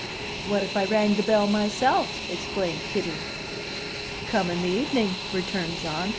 "What if I rang the bell myself?" explained Kitty. "Come in the evening," returned John.